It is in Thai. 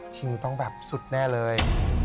จริงต้องแบบสุดแน่เลย